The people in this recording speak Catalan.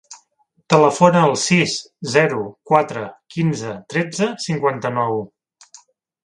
Telefona al sis, zero, quatre, quinze, tretze, cinquanta-nou.